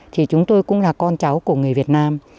thì chúng tôi cũng là con cháu của người việt nam